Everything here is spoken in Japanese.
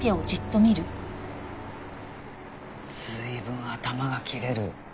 随分頭が切れる。